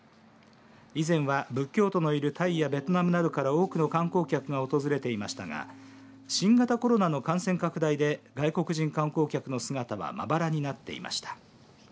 以前は、仏教徒のいるタイやベトナムなどから多くの観光客が訪れていましたが新型コロナの感染拡大で外国人観光客の姿はまばらになっていました。